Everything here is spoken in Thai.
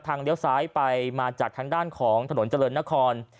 เลี้ยวซ้ายไปมาจากทางด้านของถนนเจริญนคร